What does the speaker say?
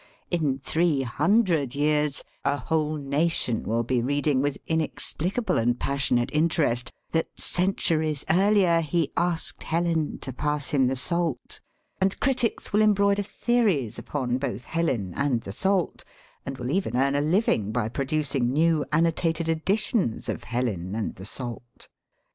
.In three hundred years a whole nation will be reading with inexplicable and passionate interest that centuries earlier he asked Helen to pass him the salt, and critics will embroider theories upon both Helen and the salt and will even earn a living by producing new annotated editions of Helen and the salt.